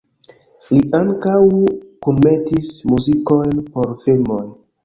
Li ankaŭ kunmetis muzikojn por filmoj.